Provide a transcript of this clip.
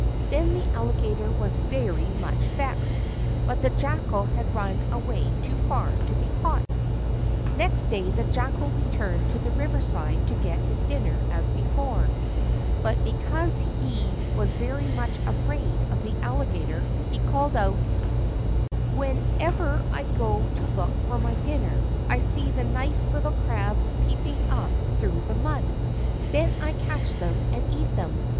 Then the Alligator was very much vexed, but the Jackal had run away too far to be caught. Next day the Jackal returned to the riverside to get his dinner as before; but because he was very much afraid of the Alligator he called out: "Whenever I go to look for my dinner, I see the nice little crabs peeping up through the mud; then I catch them and eat them.